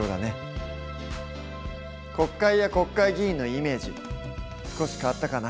国会や国会議員のイメージ少し変わったかな？